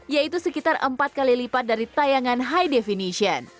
yaitu sekitar empat kali lipat dari tayangan high definition